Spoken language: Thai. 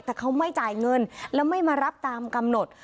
แต่เขาไม่จ่ายเงินแล้วไม่มารับตามกำหนด